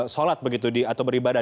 solat begitu atau beribadah